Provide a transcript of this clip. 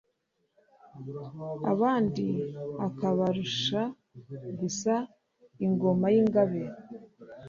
abandi akabarusha gusa ingoma y’ingabe